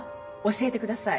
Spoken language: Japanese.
教えてください。